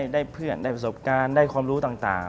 ได้เพื่อนได้ประสบการณ์ได้ความรู้ต่าง